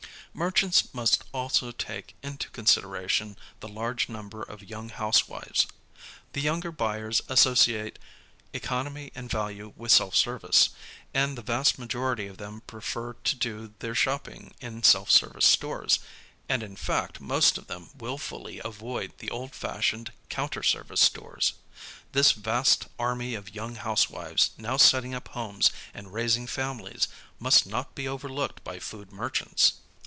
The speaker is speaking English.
Merchants must also take into consideration the large number of young housewives. The younger buyers associate economy and value with self service, and the vast majority of them pre fer to do their shopping in self service stores, and in fact most of them willfully avoid the old fashioned counter service stores. This vast army of young housewives now setting up homes and raising families must not be overlooked by food merchants.